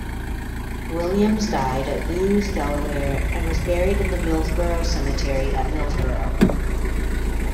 Williams died at Lewes, Delaware and was buried in the Millsboro Cemetery, at Millsboro.